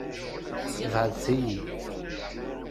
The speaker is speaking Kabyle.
Beɛɛdet-iyi.